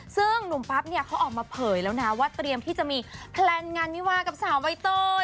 ซึ่งหนุ่มปั๊บเนี่ยเขาออกมาเผยแล้วนะว่าเตรียมที่จะมีแพลนงานวิวากับสาวใบเตย